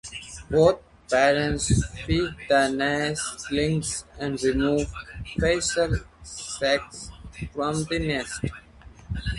Both parents feed the nestlings and remove fecal sacs from the nest.